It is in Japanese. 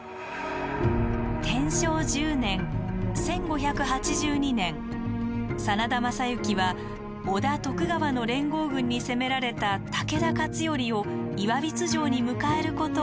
天正１０年１５８２年真田昌幸は織田・徳川の連合軍に攻められた武田勝頼を岩櫃城に迎えることを提案。